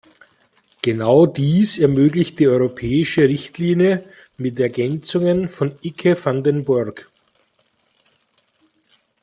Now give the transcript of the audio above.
Genau dies ermöglicht die europäische Richtlinie mit Ergänzungen von Ike van den Burg.